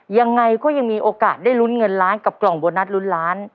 ยังไงก็ยังมีโอกาสได้ลุ้นเงินล้านกับกล่องโบนัสลุ้นล้าน